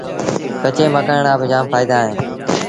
ڪچي مکڻ رآ با جآم ڦآئيدآ اوهيݩ